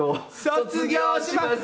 卒業します。